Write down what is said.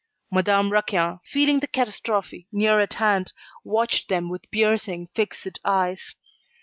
Madame Raquin, feeling the catastrophe near at hand, watched them with piercing, fixed eyes.